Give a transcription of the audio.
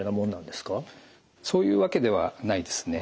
そういうわけでないですね。